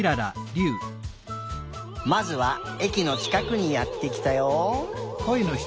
まずはえきのちかくにやってきたよ。